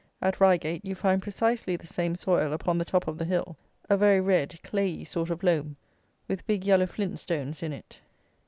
At Reigate you find precisely the same soil upon the top of the hill, a very red, clayey sort of loam, with big yellow flint stones in it.